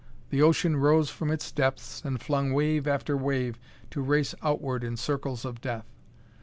The ocean rose from its depths and flung wave after wave to race outward in circles of death.